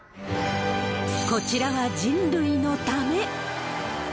こちらは人類のため。